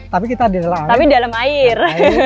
tapi kita di dalam air